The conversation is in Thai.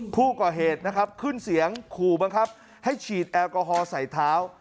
ผู้ก่อเหตุนะครับขึ้นเสียงขู่บังคับให้ฉีดแอลกอฮอล์ใส่เท้า